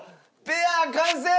ペア完成！